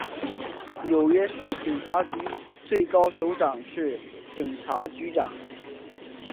纽约市警察局最高首长是警察局长。